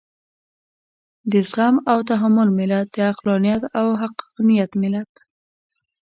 د زغم او تحمل ملت، د عقلانيت او حقانيت ملت.